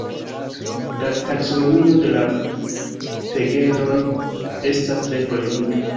La taksonomio de la pegedoj estas tre polemika.